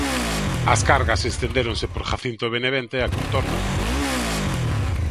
As cargas estendéronse por Jacinto Benavente e contorna.